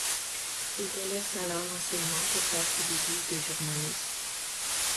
Il délaisse alors l’enseignement pour faire ses débuts de journaliste.